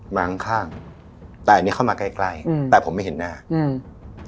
มาข้างข้างแต่อันนี้เข้ามาใกล้ใกล้อืมแต่ผมไม่เห็นหน้าอืม